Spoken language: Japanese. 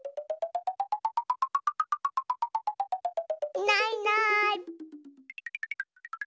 いないいない。